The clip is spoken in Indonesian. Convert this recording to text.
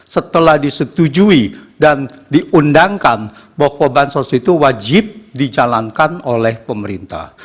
setelah disetujui dan diundangkan bahwa bansos itu wajib dijalankan oleh pemerintah